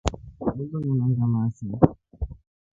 Twe loliyana ngamaa see?